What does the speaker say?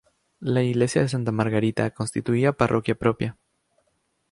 La iglesia de Santa Margarita constituía parroquia propia.